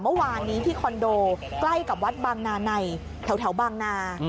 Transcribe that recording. เมื่อวานนี้ที่คอนโดใกล้กับวัดบางนาในแถวบางนา